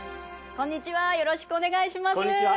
こんにちはよろしくお願いします。